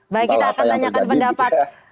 baik kita akan tanyakan pendapat